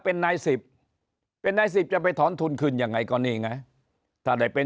เป็นนาย๑๐แล้วสิบจะไปถอนทุนขึ้นยังไหวก่อนนี้ไงเป็น